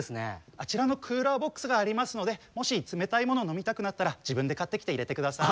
あちらのクーラーボックスがありますのでもし冷たい物飲みたくなったら自分で買ってきて入れて下さい。